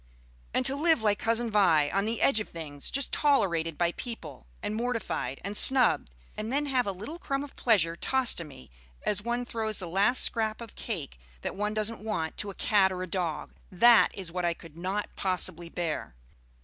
And to live like Cousin Vi on the edge of things, just tolerated by people, and mortified and snubbed, and then have a little crumb of pleasure tossed to me, as one throws the last scrap of cake that one doesn't want to a cat or a dog, that is what I could not possibly bear.